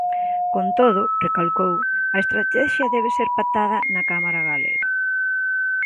Con todo, recalcou, a estratexia debe ser pactada na Cámara galega.